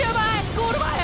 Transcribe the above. ゴール前！